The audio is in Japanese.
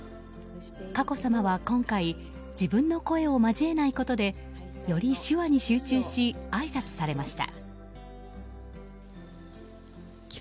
佳子さまは今回自分の声を交えないことでより手話に集中しあいさつされました。